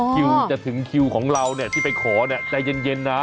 คิวจะถึงคิวของเราเนี่ยที่ไปขอใจเย็นนะ